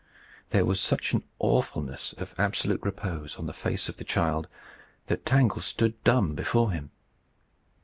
There was such an awfulness of absolute repose on the face of the child that Tangle stood dumb before him.